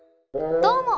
どうも！